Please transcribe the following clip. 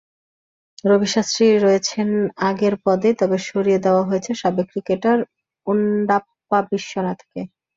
রবিশাস্ত্রী রয়েছেন আগের পদেই, তবে সরিয়ে দেওয়া হয়েছে সাবেক ক্রিকেটার গুন্ডাপ্পা বিশ্বনাথকে।